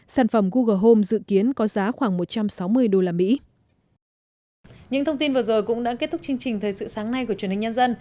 sản phẩm google home dự kiến có giá khoảng một trăm sáu mươi usd